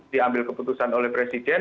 diambil keputusan oleh presiden